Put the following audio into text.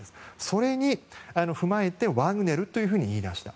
それを踏まえてワグネルと言い出した。